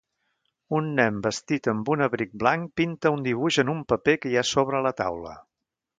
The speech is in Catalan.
Un nen vestit amb un abric blanc pinta un dibuix en un paper que hi ha sobre la taula.